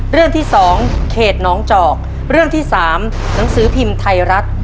เรื่องที่สองเขตน้องจอกเรื่องที่สามหนังสือพิมพ์ไทยรัฐ